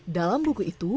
dalam buku itu